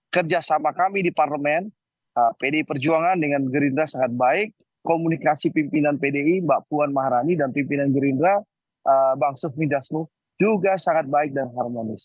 kerjasama kami di parlemen pdi perjuangan dengan gerindra sangat baik komunikasi pimpinan pdi mbak puan maharani dan pimpinan gerindra bang sufmi dasmu juga sangat baik dan harmonis